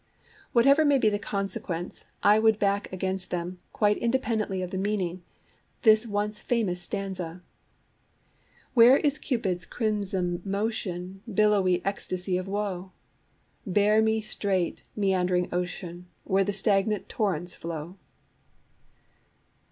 Whatever may be the consequence, I would back against them, 'quite independently of the meaning,' this once famous stanza: Where is Cupid's crimson motion, Billowy ecstasy of woe? Bear me straight, meandering ocean, Where the stagnant torrents flow.